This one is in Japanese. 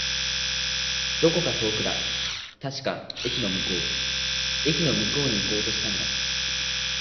どこか遠くだ。確か、駅の向こう。駅の向こうに行こうとしたんだ。